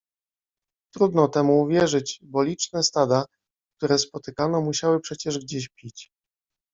Trudno temu było uwierzyć, bo liczne stada, które spotykano, musiały przecież gdzieś pić.